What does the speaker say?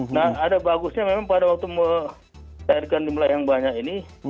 nah ada bagusnya memang pada waktu mencairkan jumlah yang banyak ini